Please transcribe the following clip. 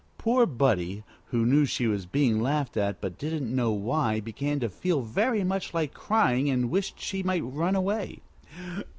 Poor Buddie, who knew she was being laughed at but didn't know why, began to feel very much like crying and wished she might run away.